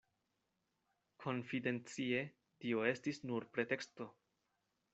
Konfidencie, tio estis nur preteksto.